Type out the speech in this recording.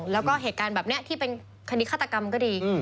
แล้วก็เหตุการณ์แบบนี้ที่เป็นคดีฆาตกรรมก็ดี